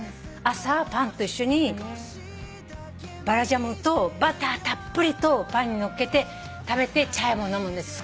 朝パンと一緒にバラジャムとバターたっぷりとパンにのっけて食べてチャイも飲むんです。